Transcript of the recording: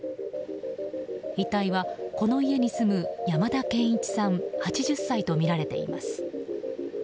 遺体は、この家に住む山田健一さん、８０歳とみられています。